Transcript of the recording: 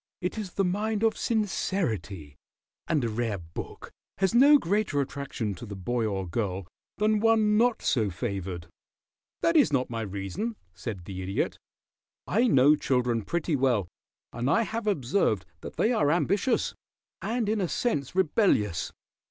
It is the mind of sincerity, and a rare book has no greater attraction to the boy or girl than one not so favored." "That is not my reason," said the Idiot. "I know children pretty well, and I have observed that they are ambitious, and in a sense rebellious.